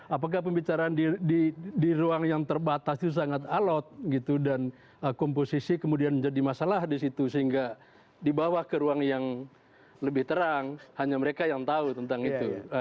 apakah pembicaraan di ruang yang terbatas itu sangat alot gitu dan komposisi kemudian menjadi masalah di situ sehingga dibawa ke ruang yang lebih terang hanya mereka yang tahu tentang itu